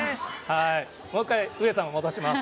もう一回、上様戻します。